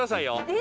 え？